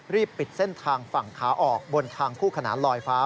ปิดเส้นทางฝั่งขาออกบนทางคู่ขนานลอยฟ้า